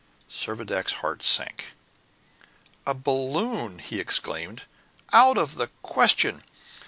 Servadac's heart sank. "A balloon!" he exclaimed. "Out of the question!